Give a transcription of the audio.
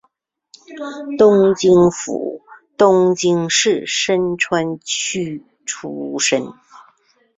东京府东京市深川区出身。